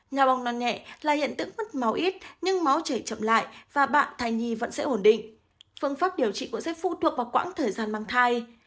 nho bong non nhẹ là hiện tượng mất máu ít nhưng máu chảy chậm lại và bạn thai nhi vẫn sẽ ổn định phương pháp điều trị cũng sẽ phụ thuộc vào quãng thời gian mang thai